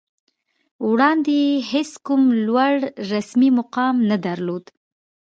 وړاندې یې هېڅ کوم لوړ رسمي مقام نه درلود